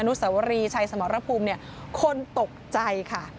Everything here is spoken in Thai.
อนุสาวรีชัยสมรภูมิคนตกใจค่ะ